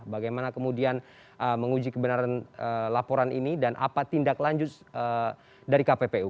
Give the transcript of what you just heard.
bagaimana kemudian menguji kebenaran laporan ini dan apa tindak lanjut dari kppu